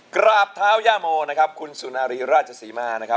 กราบเท้ายาโมนะครับคุณสุนารีราชสีมา